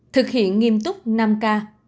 thực hiện nghiêm túc năm k